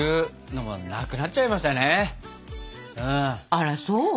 あらそう？